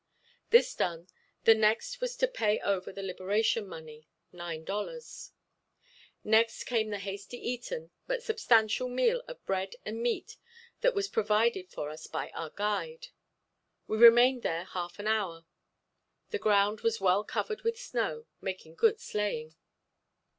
This done, the next was to pay over the liberation money, nine dollars. Next came the hasty eaten but substantial meal of bread and meat that was provided for us by our guide. We remained there half an hour. The ground was well covered with snow, making good sleighing.